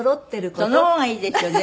その方がいいですよでも。